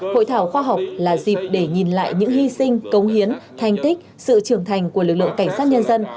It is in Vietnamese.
hội thảo khoa học là dịp để nhìn lại những hy sinh công hiến thành tích sự trưởng thành của lực lượng cảnh sát nhân dân